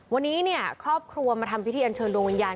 วันนี้เนี่ยครอบครัวมาทำพิธีอันเชิญดวงวิญญาณ